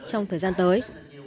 trong thời gian tới